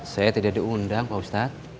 saya tidak diundang pak ustadz